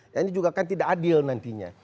nah ini juga kan tidak adil nantinya